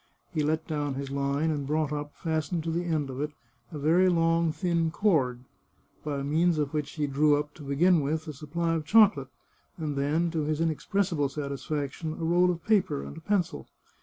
He let down his line, and brought up, fastened to the end of it, a very long, thin cord, by means of which he drew up, to begin with, a supply of chocolate, and then, to his inexpressible satisfac tion, a roll of paper and a pencil.